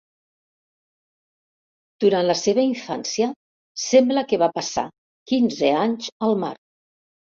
Durant la seva infància sembla que va passar quinze anys al mar.